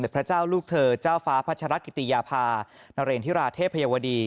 พระเจ้าลูกเธอเจ้าฟ้าพัชรกิติยาภานเรนธิราเทพยาวดี